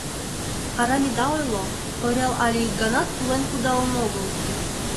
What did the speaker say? — Арам ида ойло, Орел але ик ганат тулен кудалын огыл!